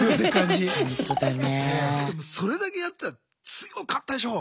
それだけやってたら強かったでしょ？